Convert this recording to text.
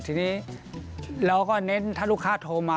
ทีนี้เราก็เน้นถ้าลูกค้าโทรมา